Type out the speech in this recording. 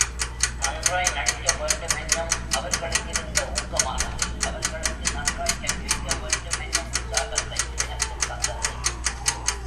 நன்றாய் நடிக்க வேண்டுமென்னும் அவர்களுக்கிருந்த ஊக்கமானது, அவர்களுக்கு நன்றாய்க் கற்பிக்க வேண்டுமென்னும் உற்சாகத்தை எனக்குத் தந்தது.